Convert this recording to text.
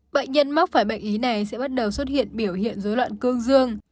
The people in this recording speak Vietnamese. bệnh nhân mắc phải bệnh ý này sẽ bắt đầu xuất hiện biểu hiện dối loạn cương dương